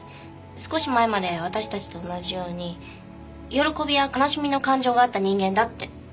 少し前まで私たちと同じように喜びや悲しみの感情があった人間だって。